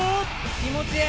気持ちいい！